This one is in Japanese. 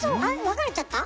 分かれちゃった？